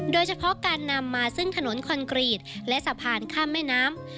โดยเฉพาะการนำมาซึ่งถนนคอนกรีตและสะพานข้ามแม่น้ำ